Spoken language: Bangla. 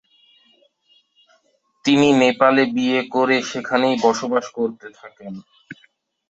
তিনি নেপালে বিয়ে করে সেখানেই বাস করতে থাকেন।